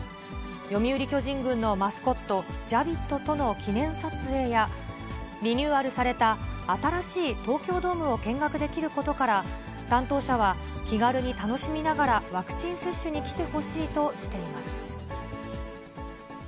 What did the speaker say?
読売巨人軍のマスコット、ジャビットとの記念撮影や、リニューアルされた新しい東京ドームを見学できることから、担当者は、気軽に楽しみながら、ワクチン接種に来てほしいとしています。